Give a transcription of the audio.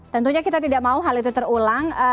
tentunya kita tidak mau hal itu terulang